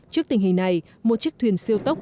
trước tình hình này một chiếc thuyền siêu tốc